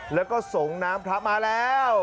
แล้วก็ส่งน้ำพระมาแล้ว